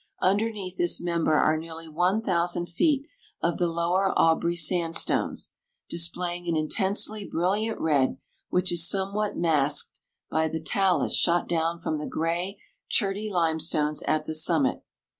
Underneath this member are nearly 1,000 feet of the Lower Aubrey sandstones, displaying an intensely brilliant red, which is somewhat masked by the talus shot down from the gray, cherty limestones at the summit.